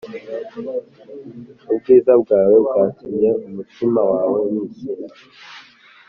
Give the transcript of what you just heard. Ubwiza bwawe bwatumye umutima wawe wishyira